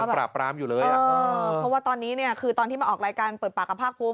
เพราะว่าตอนนี้เนี่ยคือตอนที่มาออกรายการเปิดปากกับภาคภูมิ